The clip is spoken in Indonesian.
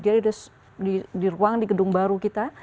jadi di ruang di gedung baru kita